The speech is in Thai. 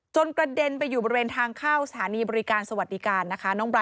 จนกระเด็นไปอยู่บริเวณทางเท้าสถานีบริการสวัสดิการภายในฐานทับเรือสตศต